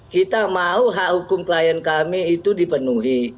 kita mau hak hukum klien kami itu dipenuhi